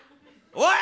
おい！